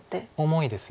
重いです。